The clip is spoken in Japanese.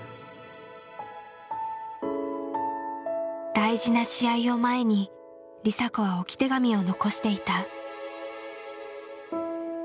大事な試合を前に梨紗子は置き手紙を残していた。